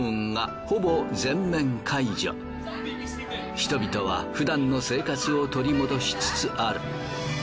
人々はふだんの生活を取り戻しつつある。